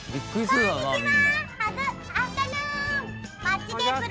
こんにちは！